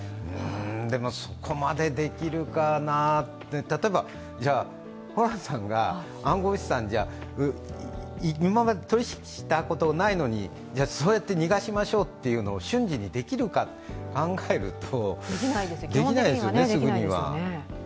でも、そこまでできるかなあって例えば、ホランさんが暗号資産今まで取引したことないのにそうやって逃がしましょうというのを瞬時にできるか考えるとできないですよね、すぐには。